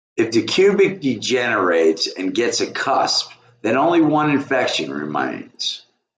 If the cubic degenerates and gets a cusp then only one inflection remains.